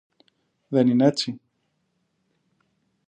Δεν είναι έτσι;